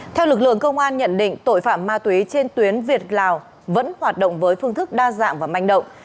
theo lực lượng công an nhận định tội phạm ma túy trên tuyến việt lào vẫn hoạt động với phương thức đa dạng và manh động